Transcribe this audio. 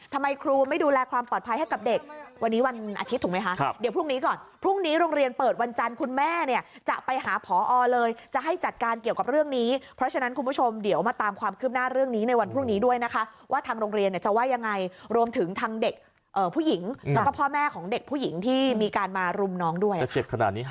ทำไมครูไม่ดูแลความปลอดภัยให้กับเด็กวันนี้วันอาทิตย์ถูกไหมคะครับเดี๋ยวพรุ่งนี้ก่อนพรุ่งนี้โรงเรียนเปิดวันจันทร์คุณแม่เนี้ยจะไปหาผอเลยจะให้จัดการเกี่ยวกับเรื่องนี้เพราะฉะนั้นคุณผู้ชมเดี๋ยวมาตามความคืบหน้าเรื่องนี้ในวันพรุ่งนี้ด้วยนะคะว่าทางโรงเรียนเนี้ยจะว่ายังไงรวมถึงทางเด็